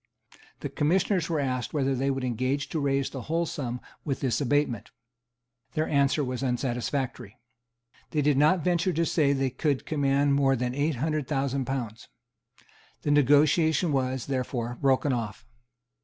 The Commissioners were asked whether they would engage to raise the whole sum, with this abatement. Their answer was unsatisfactory. They did not venture to say that they could command more than eight hundred thousand pounds. The negotiation was, therefore, broken off.